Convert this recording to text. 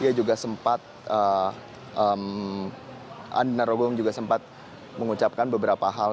ia juga sempat andina rogong juga sempat mengucapkan beberapa hal